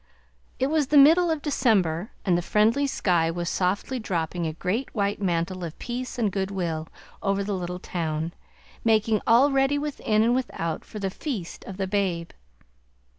It was the middle of December and the friendly sky was softly dropping a great white mantle of peace and good will over the little town, making all ready within and without for the Feast o' the Babe.